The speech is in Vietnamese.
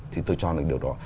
thì tôi cho là điều đó